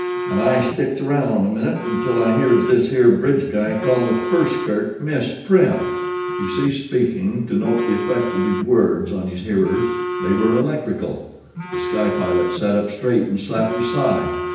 An' I sticks aroun' a minute until I hears this here Bridge guy call the first skirt 'Miss Prim.'" He ceased speaking to note the effect of his words on his hearers. They were electrical. The Sky Pilot sat up straight and slapped his thigh.